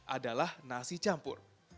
adalah nasi campur